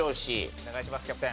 お願いしますキャプテン。